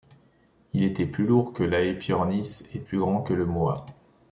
Il était plus lourd que l'Aepyornis et plus grand que le Moa.